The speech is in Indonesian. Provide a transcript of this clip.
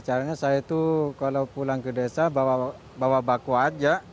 caranya saya kalau pulang ke desa bawa baku saja